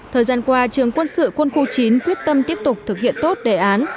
thời gian qua trường quân sự quân khu chín quyết tâm tiếp tục thực hiện tốt đề án